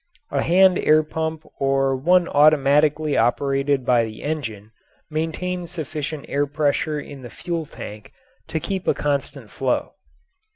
A hand air pump or one automatically operated by the engine maintains sufficient air pressure in the fuel tank to keep a constant flow.